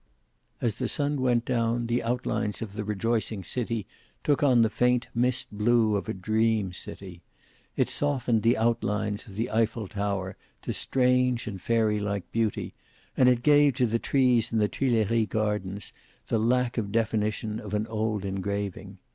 As the sun went down, the outlines of the rejoicing city took on the faint mist blue of a dream city. It softened the outlines of the Eiffel tower to strange and fairy like beauty and gave to the trees in the Tuileries gardens the lack of definition of an old engraving.